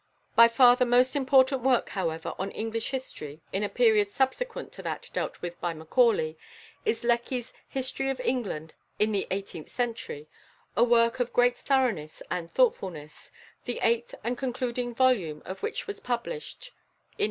By far the most important work, however, on English history, in a period subsequent to that dealt with by Macaulay, is Lecky's "History of England in the Eighteenth Century," a work of great thoroughness and thoughtfulness, the eighth and concluding volume of which was published in 1890.